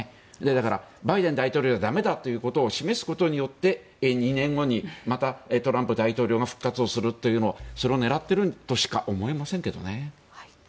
だから、バイデン大統領は駄目だということを示すことによって２年後にまたトランプ前大統領が復活をするというのをそれを狙っているとしか思えませんけどね。